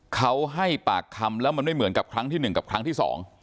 เขาให้ปากคำแล้วมันไม่เหมือนกับครั้งที่๑กับครั้งที่๒